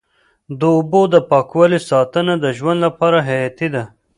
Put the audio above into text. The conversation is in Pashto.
د اوبو د پاکوالي ساتنه د ژوند لپاره حیاتي ده.